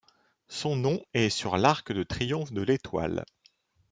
Son nom est sur l'Arc de triomphe de l'Étoile.